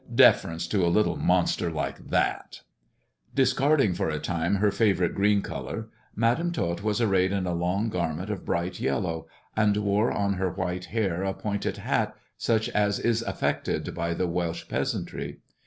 "Deference to a little monster like that !" Discarding for a time her favourite green colour. Madam Tot was arrayed in a long garment of bright yellow, and wore on her white hair a pointed hat, such as is affected by the Welsh peasantry.